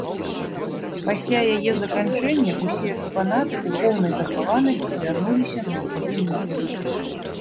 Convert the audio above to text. Пасля яе заканчэння ўсе экспанаты ў поўнай захаванасці вярнуліся на свае месцы.